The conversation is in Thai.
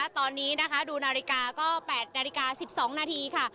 ตอนนี้นะคะดูนาฬิกาก็๘นาฬิกา๑๒นาทีค่ะ